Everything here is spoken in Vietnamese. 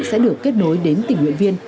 sẽ được kết nối đến tỉnh huyện viên